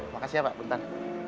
makasih ya pak bentar